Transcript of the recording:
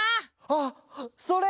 あっそれ！